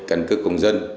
căn cức công dân